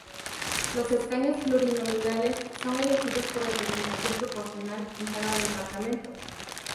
Los escaños plurinominales son elegidos por representación proporcional en cada departamento.